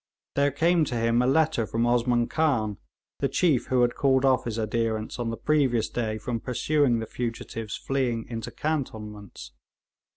There came to him a letter from Osman Khan, the chief who had called off his adherents on the previous day from pursuing the fugitives fleeing into cantonments.